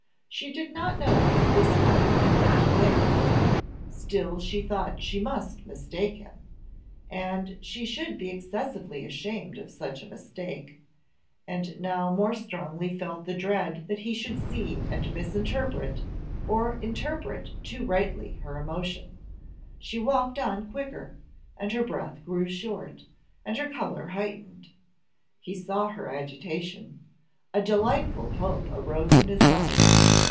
She did not know at this moment what to think still she thought she must mistake him, and she should be excessively ashamed of such a mistake, and now more strongly felt the dread that he should see and misinterpret or interpret too rightly her emotion; she walked on quicker, and her breath grew short, and her colour heightened. He saw her agitation a delightful hope arose in his mind.